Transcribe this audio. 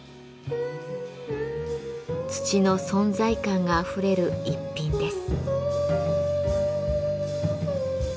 土の存在感があふれる一品です。